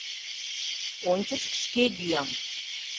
Ончыч шке йӱам...